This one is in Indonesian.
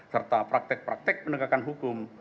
serta praktek praktek penegakan hukum